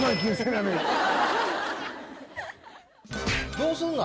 どうすんの？